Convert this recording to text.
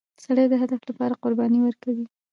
سړی د هدف لپاره قرباني ورکوي